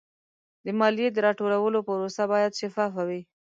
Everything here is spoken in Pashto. د مالیې د راټولولو پروسه باید شفافه وي.